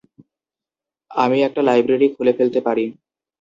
আমি একটা লাইব্রেরি খুলে ফেলতে পারি।